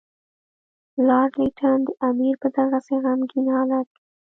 لارډ لیټن د امیر په دغسې غمګین حالت کې.